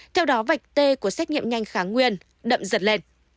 theo đó vạch t của xét nghiệm nhanh kháng nguyên đậm dật lên